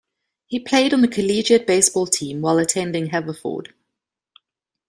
He played on the collegiate baseball team while attending Haverford.